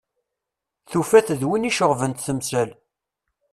Tufa-t d win i iceɣben-tt temsal.